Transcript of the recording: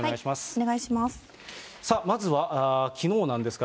お願いします。